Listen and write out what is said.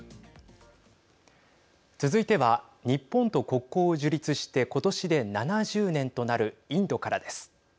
続いては日本と国交を樹立して今年で７０年となるインドからです。